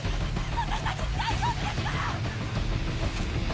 私達大丈夫ですから！